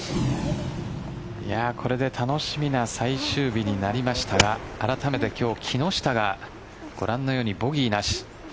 これで楽しみな最終日になりましたがあらためて今日、木下がご覧のようにボギーなし。